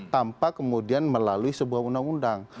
tanpa kemudian melalui sebuah undang undang